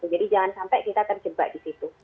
jadi jangan sampai kita terjebak di situ